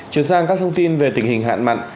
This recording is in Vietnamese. chuyển sang các thông tin về tình hình hạn mặn